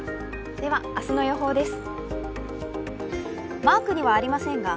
では明日の予報です。